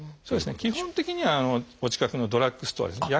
基本的にはお近くのドラッグストアですね。